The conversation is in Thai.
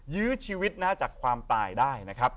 ยื้อชีวิตจากความตายได้นะครับ